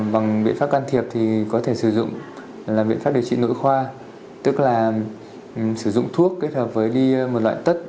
bằng biện pháp can thiệp thì có thể sử dụng làm biện pháp điều trị nội khoa tức là sử dụng thuốc kết hợp với một loại tất